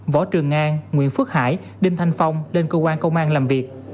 võ trường an nguyễn phước hải đinh thanh phong lên công an làm việc